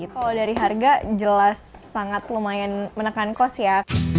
kalau dari harga jelas sangat lumayan menekan kos ya